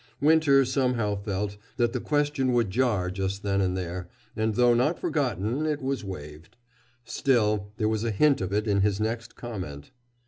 Winter somehow felt that the question would jar just then and there, and though not forgotten, it was waived; still, there was a hint of it in his next comment.